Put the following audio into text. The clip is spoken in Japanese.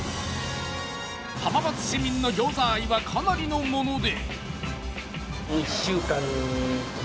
浜松市民のギョーザ愛はかなりのもので。